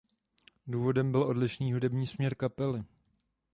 Důvodem byl odlišný hudební směr kapely.